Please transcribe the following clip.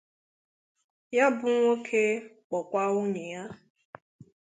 Ya bụ nwoke kpọkwà nwunye ya